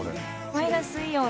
マイナスイオン